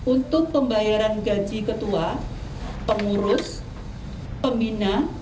untuk pembayaran gaji ketua pengurus pembina